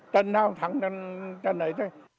trần nào thẳng trần ấy